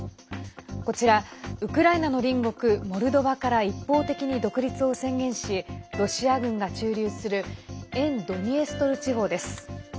こちら、ウクライナの隣国モルドバから一方的に独立を宣言しロシア軍が駐留する沿ドニエストル地方です。